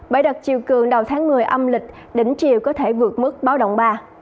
bãi đật chiều cường đầu tháng một mươi âm lịch đỉnh chiều có thể vượt mức báo động ba